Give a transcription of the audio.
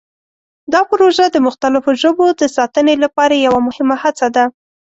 دا پروژه د مختلفو ژبو د ساتنې لپاره یوه مهمه هڅه ده.